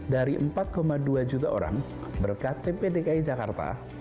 dari empat dua juta orang berkat tpdki jakarta